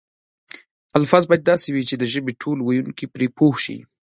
الفاظ باید داسې وي چې د ژبې ټول ویونکي پرې پوه شي.